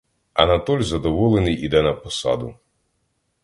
Анатоль задоволений іде на посаду.